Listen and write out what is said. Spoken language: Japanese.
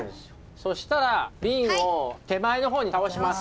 そしたら瓶を手前の方に倒します。